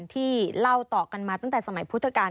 ที่เล่าต่อกันมาตั้งแต่สมัยพุทธกาล